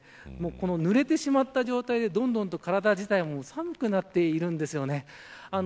ぬれてしまった状態でどんどん体も寒くなっています。